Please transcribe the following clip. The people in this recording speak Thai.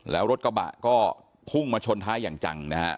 แล้วรถกระบะก็พุ่งมาชนท้ายอย่างจังนะฮะ